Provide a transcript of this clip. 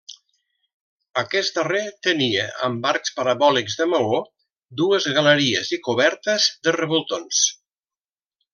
Aquest darrer tenia, amb arcs parabòlics de maó, dues galeries i cobertes de revoltons.